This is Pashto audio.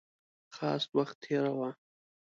خاص وخت تېراوه.